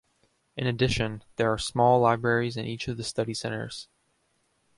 In addition, there are small libraries in each of the Study Centers.